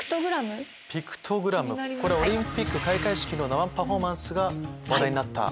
これオリンピック開会式の生パフォーマンスが話題になった。